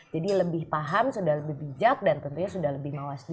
jadi lebih paham sudah lebih bijak dan tentunya sudah lebih mawas dunia